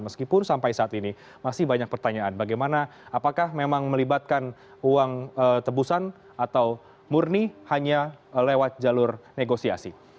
meskipun sampai saat ini masih banyak pertanyaan bagaimana apakah memang melibatkan uang tebusan atau murni hanya lewat jalur negosiasi